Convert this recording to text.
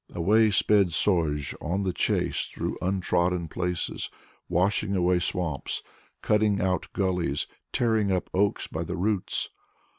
Away sped Sozh on the chase, through untrodden places, washing away swamps, cutting out gullies, tearing up oaks by the roots.